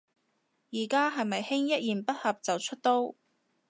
而家係咪興一言不合就出刀